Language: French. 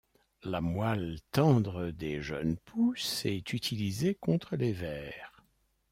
La moëlle tendre des jeunes pousses est utilisée contre les vers.